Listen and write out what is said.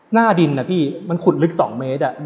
หน้าดินนะพี่มันขุดลึก๒เมตร